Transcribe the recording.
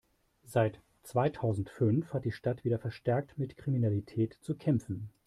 Seit zweitausendfünf hat die Stadt wieder verstärkt mit Kriminalität zu kämpfen.